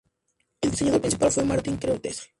El diseñador principal fue Martin Kreutzer.